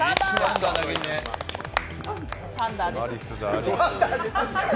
サンダーです。